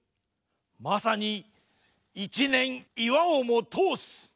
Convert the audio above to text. まさに一念岩をも通す！